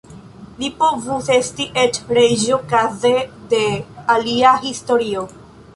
Li povus esti eĉ reĝo kaze de alia historio.